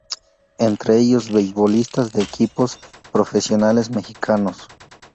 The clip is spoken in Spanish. Entre ellos beisbolistas de equipos profesionales mexicanos.